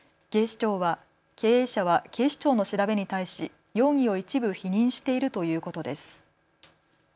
経営者は警視庁の調べに対し容疑を一部否認しているということです。